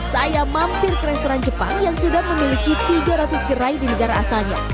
saya mampir ke restoran jepang yang sudah memiliki tiga ratus gerai di negara asalnya